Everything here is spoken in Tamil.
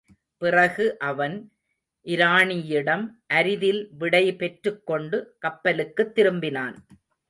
பிறகு அவன், இராணியிடம் அரிதில் விடை பெற்றுக்கொண்டு கப்பலுக்குத் திரும்பினான்.